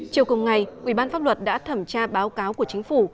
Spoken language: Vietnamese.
chiều cùng ngày ủy ban pháp luật đã thẩm tra báo cáo của chính phủ